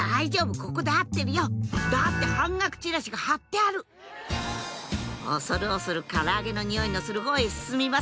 ここで合ってるよだって半額チラシが張ってある恐る恐るから揚げの匂いのするほうへ進みます